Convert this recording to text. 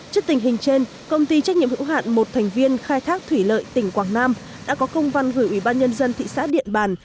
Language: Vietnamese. trước tình hình trên công ty trách nhiệm hữu hạn một thành viên khai thác thủy lợi tỉnh quảng nam đã có công văn gửi ủy ban nhân dân thị xã điện bàn